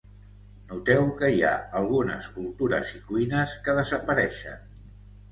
Noteu que hi ha algunes cultures i cuines que desapareixen.